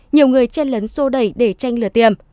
nhiều người chen lấn sô đẩy để tranh lượt tiêm